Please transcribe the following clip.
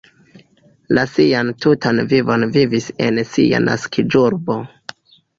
Li sian tutan vivon vivis en sia naskiĝurbo.